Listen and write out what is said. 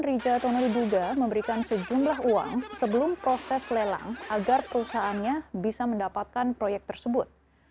rijatono diduga memberikan sejumlah uang sebelum proses lelang agar perusahaannya bisa mendapatkan proyek tersebut